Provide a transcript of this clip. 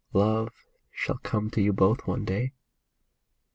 Love shall come to you both one day.